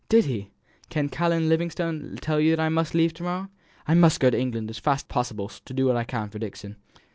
did he did Canon Livingstone tell you that I must leave to morrow? I must go to England as fast as possible to do what I can for Dixon."